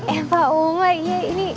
eh pak umar